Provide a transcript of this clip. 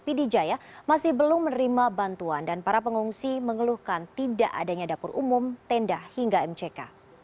pd jaya masih belum menerima bantuan dan para pengungsi mengeluhkan tidak adanya dapur umum tenda hingga mck